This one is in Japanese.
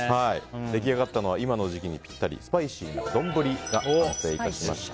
出来上がったのは今の時期にぴったりスパイシーな丼が完成しました。